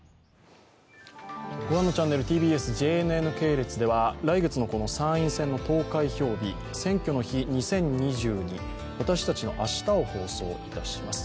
御覧のチャンネル、ＴＢＳ、ＪＮＮ系列では来月の参院選の投開票日、「選挙の日２０２２私たちの明日」を放送いたします。